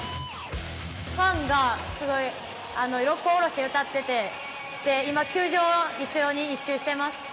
ファンが「六甲おろし」を歌っていて今、球場を一緒に一周しています。